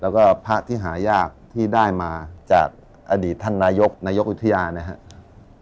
แล้วก็พระที่หายากที่ได้มาจากอดีตท่านนายกนายกวิทยานะครับ